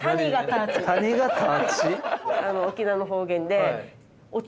沖縄の方言で。